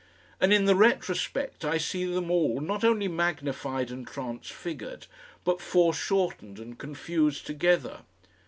And in the retrospect I see them all not only magnified and transfigured, but fore shortened and confused together.